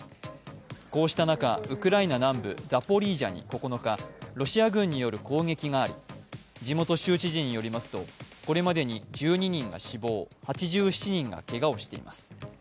こうした中、ウクライナ南部ザポリージャに９日ロシア軍による攻撃があり地元州知事によりますとこれまでに１２人が死亡８７人がけがをしています。